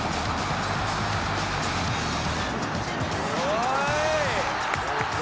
「おい！」